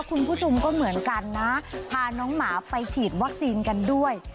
คุณผู้ชมก็เหมือนกันนะพาน้องหมาไปฉีดวัคซีนกันด้วย